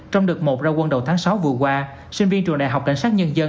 trong đợt một ra quân đầu tháng sáu vừa qua sinh viên trường đại học cảnh sát nhân dân